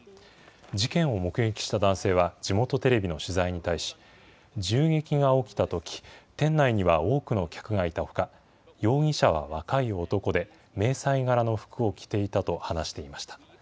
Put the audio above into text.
事件を目撃した男性は地元テレビの取材に対し、銃撃が起きたとき、店内には多くの客がいたほか、容疑者は若い男で、迷彩柄の服を着ていたと話していました。